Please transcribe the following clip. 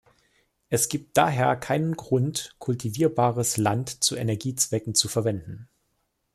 Es gibt daher keinen Grund, kultivierbares Land zu Energiezwecken zu verwenden.